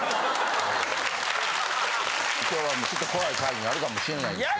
今日はもうちょっと怖い感じなるかもしれないですけど。